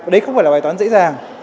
đấy không phải là bài toán dễ dàng